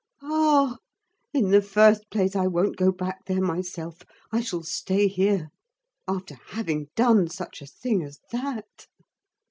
Ah! In the first place, I won't go back there myself. I shall stay here. After having done such a thing as that!